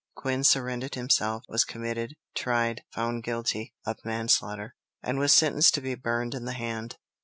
Quin surrendered himself, was committed, tried, found guilty of manslaughter, and sentenced to be burned in the hand.